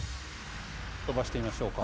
飛ばしてみましょうか。